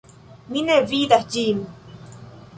Mi ne vidas ĝin.